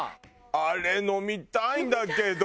あれ飲みたいんだけど！